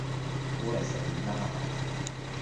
冇嚟成年喇